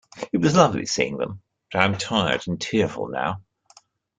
It was lovely seeing them, but I am tired and tearful now.